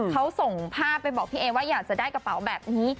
เขาส่งภาพไปบอกพี่เอว่าอยากจะได้กระเป๋าแบบนี้